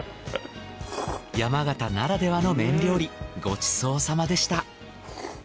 山形ならではの麺料理ごちそうさまでした。